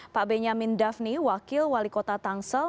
pak benyamin dhafni wakil wali kota tangsel